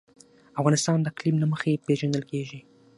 افغانستان د اقلیم له مخې پېژندل کېږي.